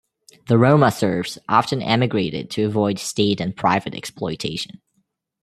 The Roma serfs often emigrated to avoid state and private exploitation.